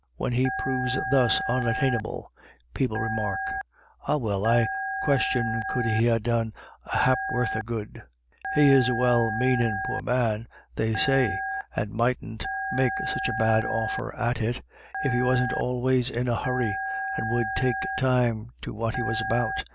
When he proves thus unattainable, people remark :" Ah well, I question could he ha' done a hap'orth of good." He is a well manin' poor man, they say, and mightn't make such a bad offer at it, if he wasn't always in a hurry, and would take time to what he was about.